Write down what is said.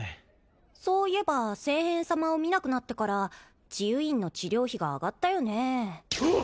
そういえば聖変様を見なくなってから治癒院の治療費が上がったよね